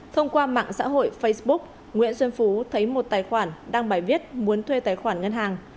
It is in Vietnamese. thông qua mạng xã hội facebook nguyễn xuân phú thấy một tài khoản đăng bài viết muốn thuê tài khoản ngân hàng